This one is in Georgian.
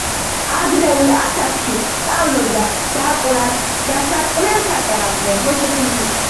ადრეულ ასაკში სწავლობდა დაკვრას დასარტყმელ საკრავებზე.